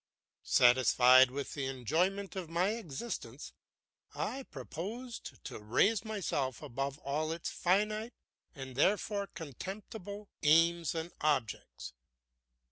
Satisfied with the enjoyment of my existence, I proposed to raise myself above all its finite, and therefore contemptible, aims and objects.